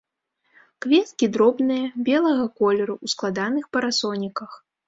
Кветкі дробныя, белага колеру, у складаных парасоніках.